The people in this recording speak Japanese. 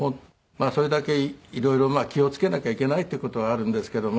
それだけ色々気を付けなきゃいけないっていう事はあるんですけど。